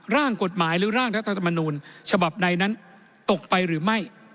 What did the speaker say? ร่างกฎหมายหรือร่างรัฐธรรมนูญฉบับใดนั้นตกไปหรือไม่